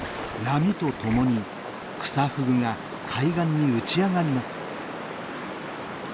波とともにクサフグが海岸に打ち上がります。